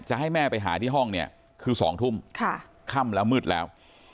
ให้แม่ไปหาที่ห้องเนี่ยคือ๒ทุ่มค่ำแล้วมืดแล้ว